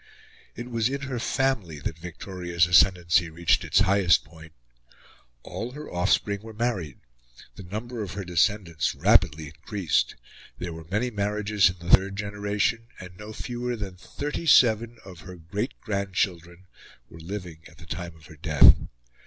It was in her family that Victoria's ascendancy reached its highest point. All her offspring were married; the number of her descendants rapidly increased; there were many marriages in the third generation; and no fewer than thirty seven of her great grandchildren were living at the time of her death.